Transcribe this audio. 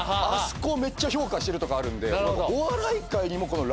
あそこをめっちゃ評価してるとかあるんで。